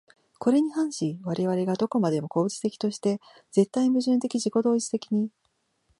これに反し我々が何処までも個物的として、絶対矛盾的自己同一的に、